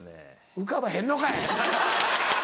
浮かばへんのかい！